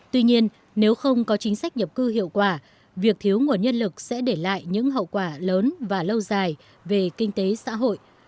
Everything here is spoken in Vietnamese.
tuy nhiên nếu không có chính sách nhập cư hiệu quả việc thiếu nguồn nhân lực sẽ để lại những hậu quả lớn và lâu dài về kinh tế xã hội